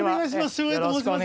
照英と申します。